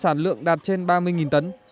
sản lượng đạt trên ba mươi tấn